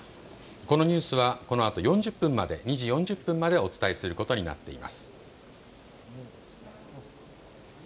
このニュースはこのあと４０分まで、２時４０分までお伝えすることになっています。